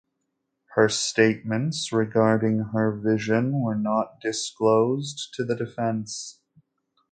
Her statements regarding her vision were not disclosed to the defense.